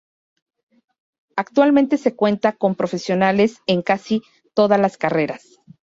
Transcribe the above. Actualmente se cuenta con profesionales en casi todas las carreras.